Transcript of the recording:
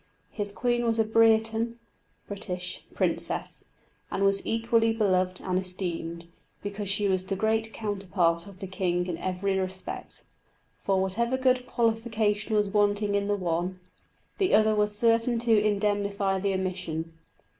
His queen was a Breaton (British) princess, and was equally beloved and esteemed, because she was the great counterpart of the king in every respect; for whatever good qualification was wanting in the one, the other was certain to indemnify the omission.